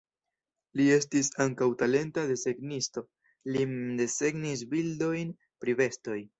Li estis ankaŭ talenta desegnisto, li mem desegnis bildojn pri bestoj.